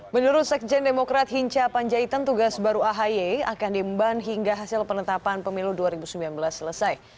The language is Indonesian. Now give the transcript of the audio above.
menurut sekjen demokrat hinca panjaitan tugas baru ahy akan diemban hingga hasil penetapan pemilu dua ribu sembilan belas selesai